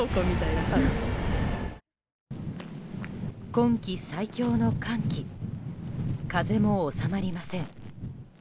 今季最強の寒気風も収まりません。